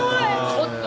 ちょっと。